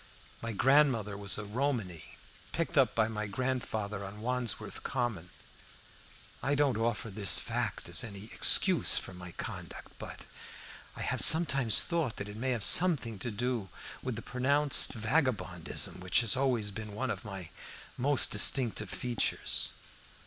My grandmother was a Romany, picked up by my grandfather on Wandsworth Common. I don't offer this fact as any excuse for my conduct, but I have sometimes thought that it may have something to do with the pronounced vagabondism which has always been one of my most distinctive features.